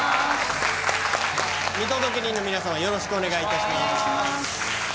見届け人の皆様よろしくお願いいたします。